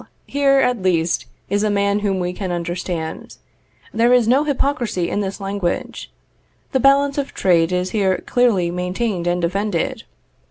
here, at least, is a man whom we can understand. There is no hypocrisy in this language. The balance of trade is here clearly maintained and defended.